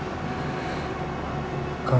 kita bisa berdua